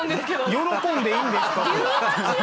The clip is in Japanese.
喜んでいいんですかね？